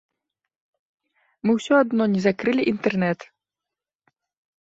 Мы ўсё адно не закрылі інтэрнэт.